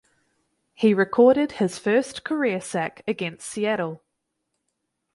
He recorded his first career sack against Seattle.